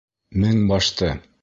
Мең башты!